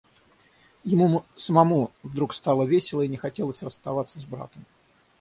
Ему самому вдруг стало весело и не хотелось расставаться с братом.